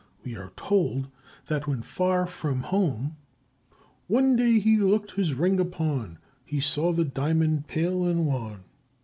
We are told that when far from home: One day he looked his ring upon He saw the diamond pale and wan.